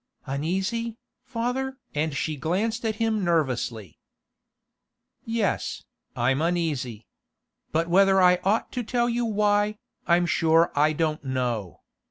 'Uneasy, father?' and she glanced at him nervously. 'Yes, I'm uneasy. But whether I ought to tell you why, I'm sure I don't know.